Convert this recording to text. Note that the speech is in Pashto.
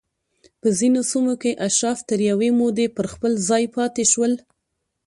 په ځینو سیمو کې اشراف تر یوې مودې پر خپل ځای پاتې شول